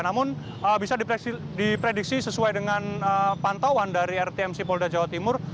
namun bisa diprediksi sesuai dengan pantauan dari rtmc polda jawa timur